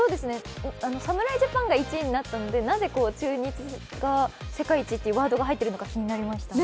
侍ジャパンが１位になったのでなぜ中日が世界一というワードが入っているのか気になりました。